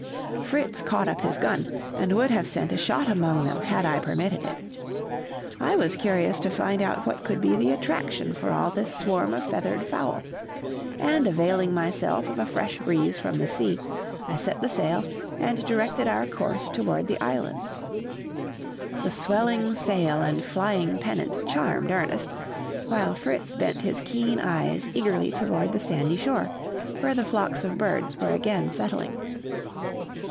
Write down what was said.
Fritz caught up his gun, and would have sent a shot among them had I permitted it. I was curious to find out what could be the attraction for all this swarm of feathered fowl; and, availing myself of a fresh breeze from the sea, I set the sail and directed our course toward the island. The swelling sail and flying pennant charmed Ernest, while Fritz bent his keen eyes eagerly toward the sandy shore, where the flocks of birds were again settling.